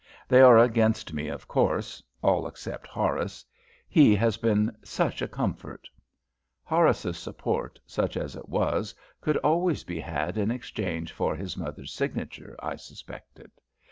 They are against me, of course, all except Horace. He has been such a comfort." Horace's support, such as it was, could always be had in exchange for his mother's signature, I suspected.